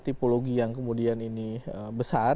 tipologi yang kemudian ini besar